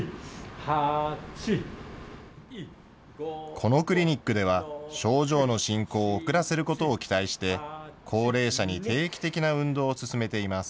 このクリニックでは、症状の進行を遅らせることを期待して、高齢者に定期的な運動を勧めています。